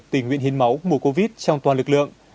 tình nguyện hiến máu mùa covid trong toàn lực lượng